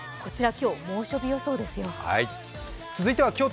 今日、猛暑日予想ですよ。